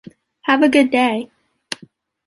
Have a good day.